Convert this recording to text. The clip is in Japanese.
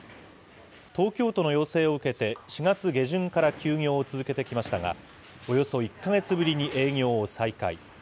東京都の要請を受けて、４月下旬から休業を続けてきましたが、およそ１か月ぶりに営業を再開。